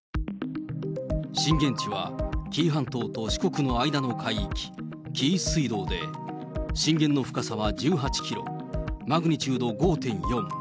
震源地は紀伊半島と四国の間の海域、紀伊水道で、震源の深さは１８キロ、マグニチュード５．４。